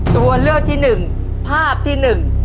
ตัวเลือกที่หนึ่งภาพที่หนึ่ง